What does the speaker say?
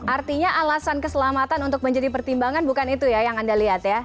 artinya alasan keselamatan untuk menjadi pertimbangan bukan itu ya yang anda lihat ya